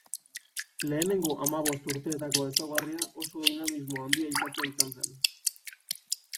Lehenengo hamabost urteetako ezaugarria oso dinamismo handia izatea izan zen.